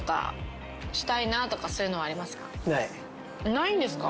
ないんですか？